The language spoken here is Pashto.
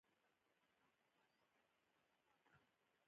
د مړو شوو خلکو قبرونو ته تلل، او هلته سوالونه کول جاهلانه رسم دی